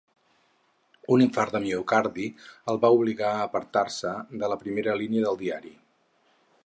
Un infart de miocardi el va obligar a apartar-se de la primera línia del diari.